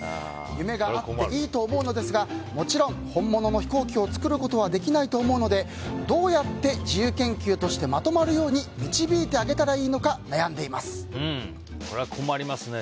夢があっていいと思うのですがもちろん本物の飛行機を作ることはできないと思うのでどうやって自由研究としてまとまるように導いてあげたらいいのかこれは困りますね。